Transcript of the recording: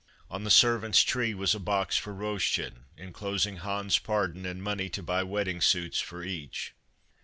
On the servants' tree was a box for Roschen enclosing Hans' pardon and money to buy wedding suits for each.